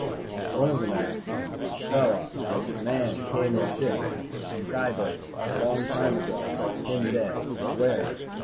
One of them asked, "Fella man came in ship sky boat long time ago. Him dead? Where?"